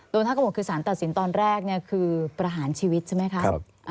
โดยถ้าเขาบอกคือสารตัดสินตอนแรกคือประหารชีวิตใช่ไหมคะ